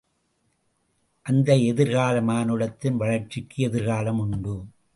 அந்த எதிர்கால மானுடத்தின் வளர்ச்சிக்கு எதிர்காலம் உண்டு.